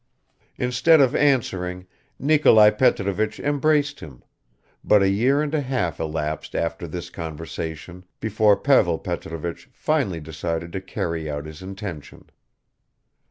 Instead of answering, Nikolai Petrovich embraced him; but a year and a half elapsed after this conversation before Pavel Petrovich finally decided to carry out his intention.